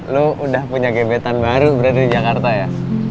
lo udah punya gebetan baru berada di jakarta ya